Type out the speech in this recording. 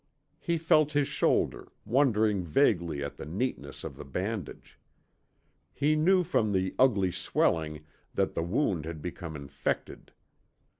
He felt his shoulder, wondering vaguely at the neatness of the bandage. He knew from the ugly swelling that the wound had become infected.